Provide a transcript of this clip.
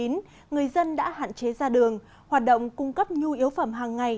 người dân đã hạn chế ra đường hoạt động cung cấp nhu yếu phẩm hàng ngày